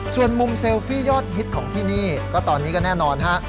ส่วนมุมเซลฟี่ยอดฮิตของที่นี่ก็ตอนนี้ก็แน่นอนฮะ